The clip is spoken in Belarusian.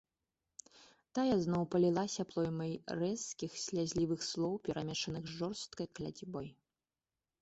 Тая зноў палілася плоймай рэзкіх, слязлівых слоў, перамешаных з жорсткай кляцьбой.